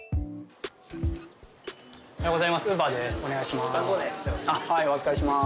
おはようございます。